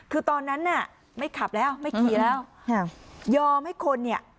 คือตอนนั้นน่ะไม่ขับแล้วไม่ขี่แล้วยอมให้คนเนี่ย